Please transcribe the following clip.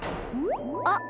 あっ！